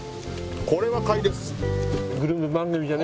これは買いです。